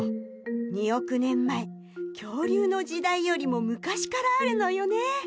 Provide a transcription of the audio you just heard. ２億年前、恐竜の時代よりも昔からあるのよね。